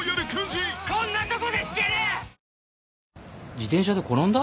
自転車で転んだ？